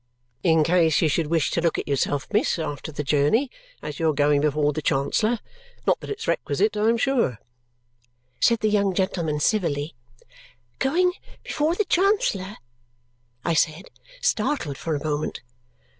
"In case you should wish to look at yourself, miss, after the journey, as you're going before the Chancellor. Not that it's requisite, I am sure," said the young gentleman civilly. "Going before the Chancellor?" I said, startled for a moment.